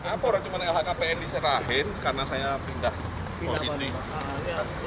laporan lhkpn diserahin karena saya pindah posisi